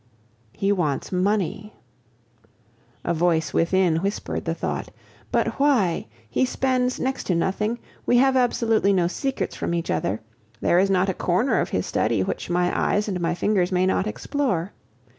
"He wants money!" A voice within whispered the thought. But why? He spends next to nothing; we have absolutely no secrets from each other; there is not a corner of his study which my eyes and my fingers may not explore.